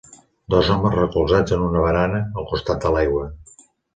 Dos homes recolzats en una barana al costat de l'aigua.